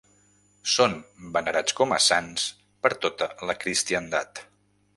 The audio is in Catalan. Són venerats com a sants per tota la cristiandat.